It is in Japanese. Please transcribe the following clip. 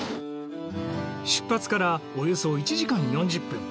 出発からおよそ１時間４０分。